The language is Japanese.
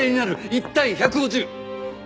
１対１５０！